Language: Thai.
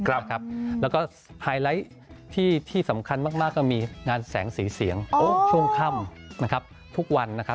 และไฮไลท์ที่สำคัญมากก็มีงานแสงสีเสียงช่วงค่ำทุกวัน